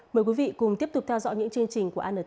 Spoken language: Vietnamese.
mời quý vị cùng tiếp tục theo dõi những chương trình của antv